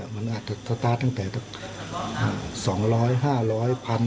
มันอาจจะสตาร์ทตั้งแต่๒๐๐๕๐๐พัน